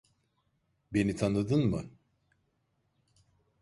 Beni tanıdın mı?